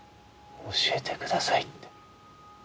教えてくださいって。